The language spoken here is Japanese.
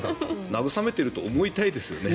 慰めていると思いたいですよね。